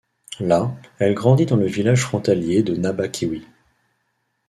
Là, elle grandit dans le village frontalier de Nabakewi.